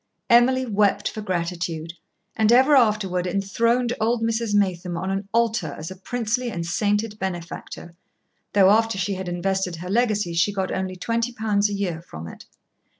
Emily wept for gratitude, and ever afterward enthroned old Mrs. Maytham on an altar as a princely and sainted benefactor, though after she had invested her legacy she got only twenty pounds a year from it.